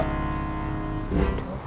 tampang kayak begitu beri bawa